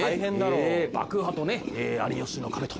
爆破と『有吉の壁』と。